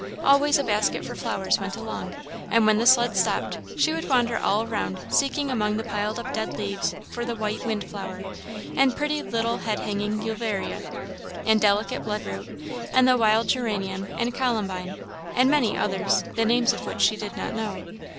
Always a basket for flowers went along; and when the sled stopped, she would wander all around seeking among the piled up dead leaves for the white wind flower, and pretty little hang head uvularia, and delicate blood root, and the wild geranium and columbine; and many others, the names of which she did not know.